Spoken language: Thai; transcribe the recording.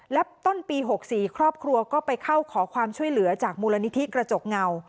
และต้นปี๖๔ครอบครัวก็ไปเข้าขอความช่วยเหลือจากมูลนิธิกระจกเงา